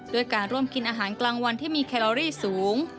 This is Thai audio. ด้วยการร่วมกินอาหารกลางวันที่มีแคลอรี่สูง